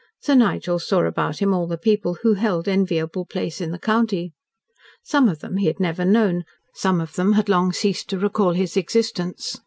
Sir Nigel saw about him all the people who held enviable place in the county. Some of them he had never known, some of them had long ceased to recall his existence.